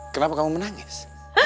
kenapa kamu menangis